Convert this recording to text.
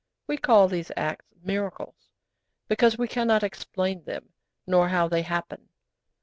We call these acts 'miracles,' because we cannot explain them, nor how they happened.